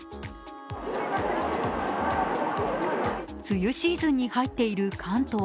梅雨シーズンに入っている関東。